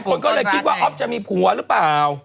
คนก็เลยคิดว่าอ๊อฟจะมีผัวหรือเปล่า